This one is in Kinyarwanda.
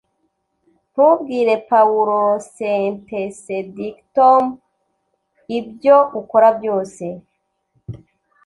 Ntubwire Pawulosentencedictcom, ibyo ukora byose!